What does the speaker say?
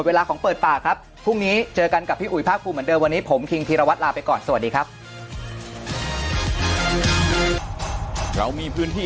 หมดเวลาของเปิดปากครับพรุ่งนี้เจอกันกับพี่อุ๋ยภาคภูมิเหมือนเดิม